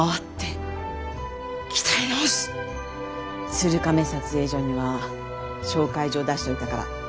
鶴亀撮影所には紹介状出しといたから。